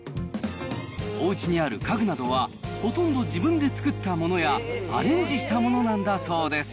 おうちにある家具などは、ほとんど自分で作ったものや、アレンジしたものなんだそうです。